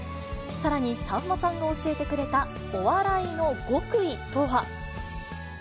さらに、さんまさんが教えてくれたお笑いの極意とは。